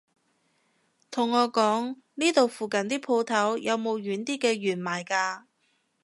同我講呢度附近啲舖頭冇軟啲嘅弦賣㗎